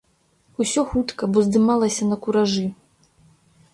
Усё хутка, бо здымалася на куражы.